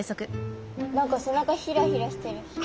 何か背中ヒラヒラしてるし。